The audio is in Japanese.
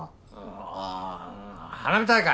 あー花火大会！